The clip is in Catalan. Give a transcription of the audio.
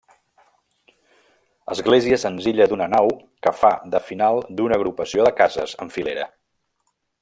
Església senzilla d'una nau que fa de final d'una agrupació de cases en filera.